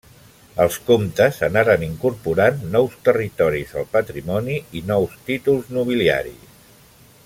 Els comtes anaren incorporant nous territoris al patrimoni i nous títols nobiliaris.